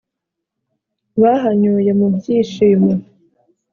bahanyoye mu byishimo